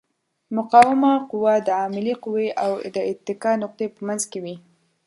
مقاومه قوه د عاملې قوې او د اتکا نقطې په منځ کې وي.